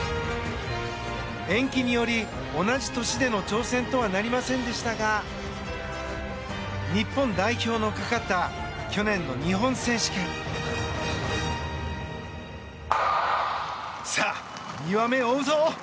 延期により同じ年での挑戦とはなりませんでしたが日本代表のかかった去年の日本選手権。さあ、２羽目を追うぞ。